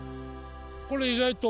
これ意外と。